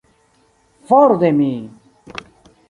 For de mi!